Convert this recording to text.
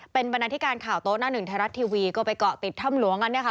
เป็นบรรณาธิการข่าวโต๊ะหน้าหนึ่งไทยรัฐทีวีก็ไปเกาะติดถ้ำหลวงกันเนี่ยค่ะ